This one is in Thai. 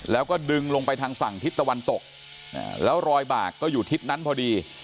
แล้วก็ดึงลงไปทางฝั่งทิศตะวันตกแล้วรอยบากก็อยู่ทิศนั้นพอดี